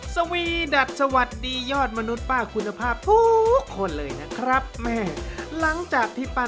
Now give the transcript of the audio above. สวีดัทสวัสดียอดมนุษย์ป้าคุณภาพทุกคนเลยนะครับแม่หลังจากที่ป้า